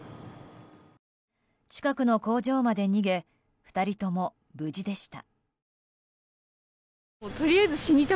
近くの工場まで逃げ２人とも無事でした。